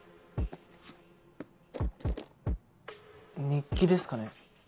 日記ですかね？